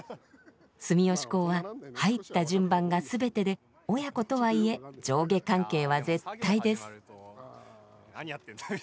住吉講は入った順番が全てで親子とはいえ上下関係は絶対です。